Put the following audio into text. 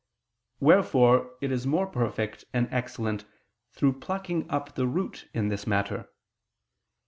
Wherefore it is more perfect and excellent through plucking up the root in this matter.